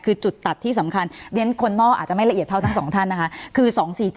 คือจุดตัดที่สำคัญเรียนคนนอกอาจจะไม่ละเอียดเท่าทั้งสองท่านนะคะคือ๒๔๗